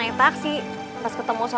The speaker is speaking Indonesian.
ikut abi ketemu mitra